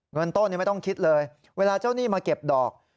เงินต้นนี้ไม่ต้องคิดเลยเวลาเจ้าหนี้มาเก็บดอก